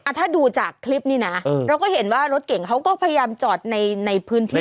ถ้าดูจากคลิปนี้นะเราก็เห็นว่ารถเก่งเขาก็พยายามจอดในพื้นที่